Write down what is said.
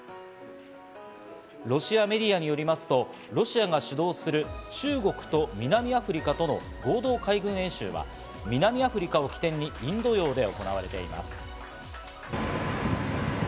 ロシアメディアによりますとロシアが主導する中国と南アフリカとの合同海軍演習は、南アフリカを起点にインド洋で行われています。